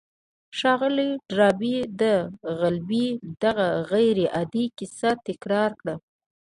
ښاغلي ډاربي د غلبې دغه غير عادي کيسه تکرار کړه.